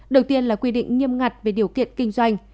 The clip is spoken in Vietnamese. đầu tiên là quy định nghiêm ngặt về điều kiện kinh doanh